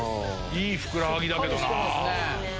いいふくらはぎだけどなぁ。